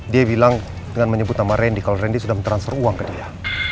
dia bilang dengan menyebut nama randy kalau randy sudah mentransfer uang ke dia